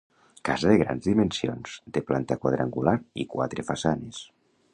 Casa de grans dimensions, de planta quadrangular i quatre façanes.